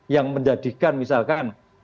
yang menjadikan misalkan